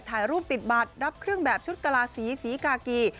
ถ่ายรูปติดบัตรรับเครื่องแบบชุดกลาศีสีศรีกากี